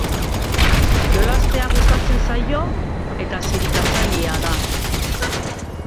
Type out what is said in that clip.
Jolastea gustatzen zaio, eta zirikatzailea da.